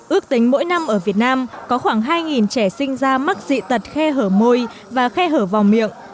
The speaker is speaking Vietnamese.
ước tính mỗi năm ở việt nam có khoảng hai trẻ sinh ra mắc dị tật khe hở môi và khe hở vòng miệng